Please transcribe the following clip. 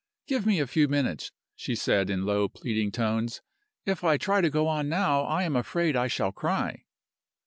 "Give me a few minutes," she said, in low, pleading tones. "If I try to go on now, I am afraid I shall cry."